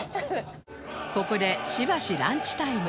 ここでしばしランチタイム